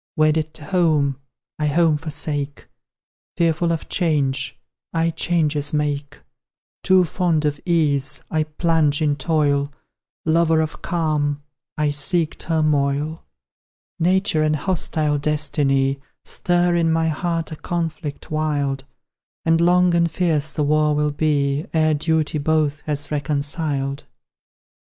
Wedded to home I home forsake; Fearful of change I changes make; Too fond of ease I plunge in toil; Lover of calm I seek turmoil: Nature and hostile Destiny Stir in my heart a conflict wild; And long and fierce the war will be Ere duty both has reconciled.